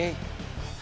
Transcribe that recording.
aku cuma mau lihat